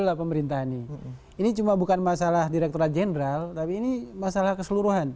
true lah pemerintahan ini ini cuma bukan masalah direkturat jenderal tapi ini masalah keseluruhan